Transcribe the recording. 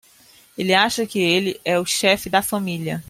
Ele acha que ele é o chefe da família.